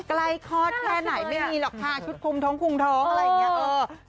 คลอดแค่ไหนไม่มีหรอกค่ะชุดคุมท้องคุมท้องอะไรอย่างนี้